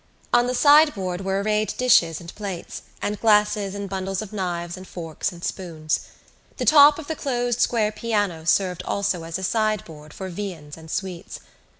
On the sideboard were arrayed dishes and plates, and glasses and bundles of knives and forks and spoons. The top of the closed square piano served also as a sideboard for viands and sweets.